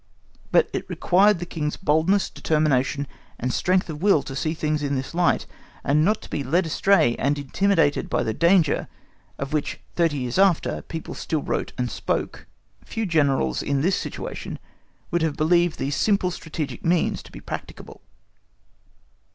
But it required the King's boldness, determination, and strength of will to see things in this light, and not to be led astray and intimidated by the danger of which thirty years after people still wrote and spoke. Few Generals in this situation would have believed these simple strategic means to be practicable.